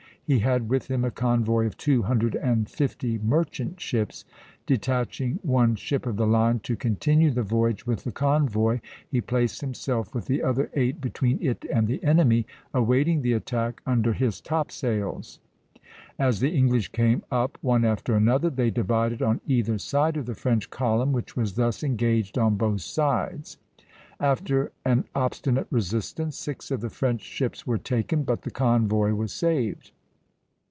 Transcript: He had with him a convoy of two hundred and fifty merchant ships; detaching one ship of the line to continue the voyage with the convoy, he placed himself with the other eight between it and the enemy, awaiting the attack under his topsails. As the English came up one after another they divided on either side of the French column, which was thus engaged on both sides. After an obstinate resistance, six of the French ships were taken, but the convoy was saved.